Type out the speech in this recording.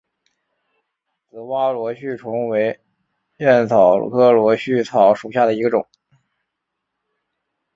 紫花螺序草为茜草科螺序草属下的一个种。